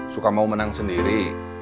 suka mau menang sendiri